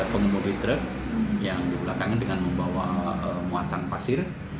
pengemudi truk yang di belakangan dengan membawa muatan pasir